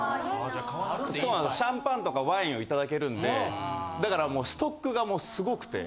シャンパンとかワインをいただけるんでだからもうストックがもうすごくて。